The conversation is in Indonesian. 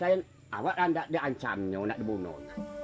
anda tidak dihancang tidak dibunuh